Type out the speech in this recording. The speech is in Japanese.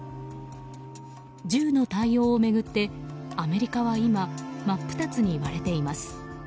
銃の対応を巡ってアメリカは今真っ二つに割れています。